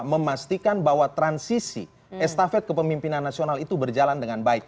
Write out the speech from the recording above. memastikan bahwa transisi estafet kepemimpinan nasional itu berjalan dengan baik